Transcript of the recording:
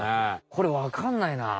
これわかんないな。